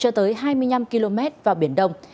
cho tới hai mươi năm km vào biển đông